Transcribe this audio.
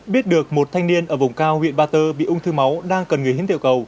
biết được một thanh niên ở vùng cao huyện ba tơ bị ung thư máu đang cần người hín tiểu cầu